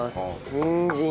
にんじん。